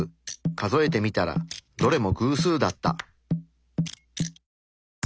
数えてみたらどれも偶数だった。